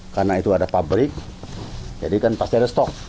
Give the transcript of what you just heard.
karena itu ada pabrik jadi kan pasti ada stok